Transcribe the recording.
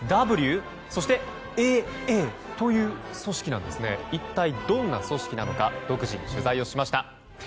ＢＢＷＡＡという組織なんですが一体どんな組織なのか独自に取材をしました。